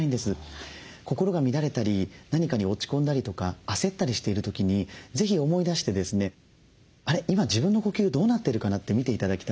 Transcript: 心が乱れたり何かに落ち込んだりとか焦ったりしている時に是非思い出して「あれ？今自分の呼吸どうなってるかな」って見て頂きたいんです。